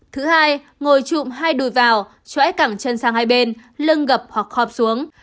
thứ hai ngồi trụm hai đùi vào trễ cẳng chân sang hai bên lưng gập hoặc khọp xuống